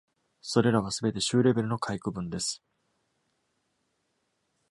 それらはすべて州レベルの下位区分です。